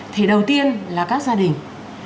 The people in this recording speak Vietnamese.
thì đầu tiên là các gia đình